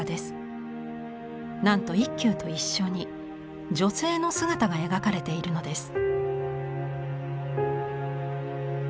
なんと一休と一緒に女性の姿が描かれているのです。